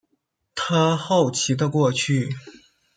他好奇的过去